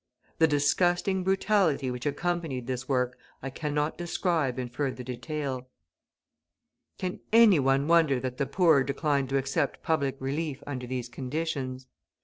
The disgusting brutality which accompanied this work I cannot describe in further detail. Can any one wonder that the poor decline to accept public relief under these conditions?